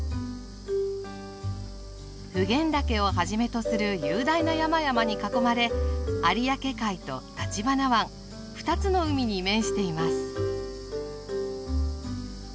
普賢岳をはじめとする雄大な山々に囲まれ有明海と橘湾２つの海に面しています。